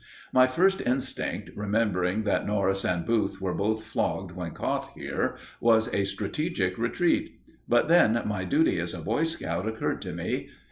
My first instinct, remembering that Norris and Booth were both flogged when caught here, was a strategic retreat; but then my duty as a Boy Scout occurred to me.